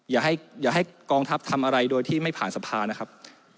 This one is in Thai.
อย่าให้กองทัพทำอะไรโดยที่ไม่ผ่านสภานะครับ